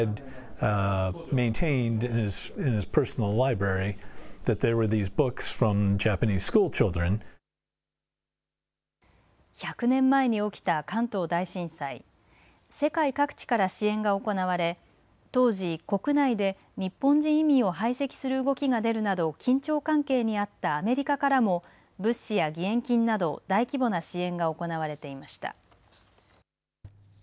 これらの手紙は関東大震災が起きたときアメリカの大統領だったカルビン・クーリッジの子孫が１００年前に起きた関東大震災世界各地から支援が行われ当時、国内で日本人移民を排斥する動きが出るなど緊張関係にあったアメリカからも物資や義援金など大規模な支援が行われていました。